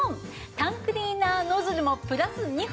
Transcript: タンクリーナーノズルもプラス２本。